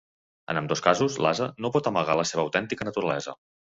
En ambdós casos l'ase no pot amagar la seva autèntica naturalesa.